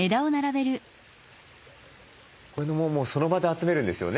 これもその場で集めるんですよね？